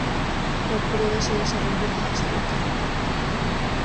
La prueba se desarrolló en una sola carrera.